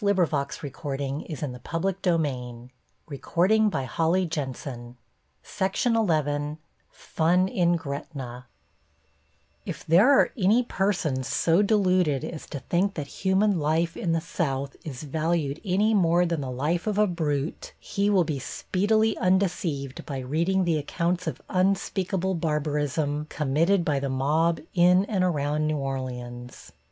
There was nothing found which would lead to the discovery of his identity. +FUN IN GRETNA+ If there are any persons so deluded as to think that human life in the South is valued any more than the life of a brute, he will be speedily undeceived by reading the accounts of unspeakable barbarism committed by the mob in and around New Orleans.